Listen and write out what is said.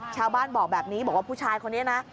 ชาวบ้านบอกแบบนี้บอกว่าผู้ชายคนนี้นะ